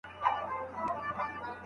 لیونی او معتوه د چا په حکم کې دي؟